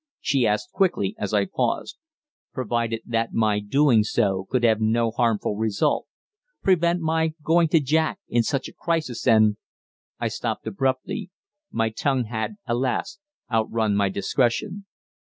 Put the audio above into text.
she asked quickly as I paused. "Provided that my doing so could have no harmful result. Prevent my going to Jack in such a crisis, and " I stopped abruptly. My tongue had, alas, outrun my discretion.